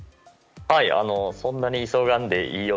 そんなに急がんでいいよ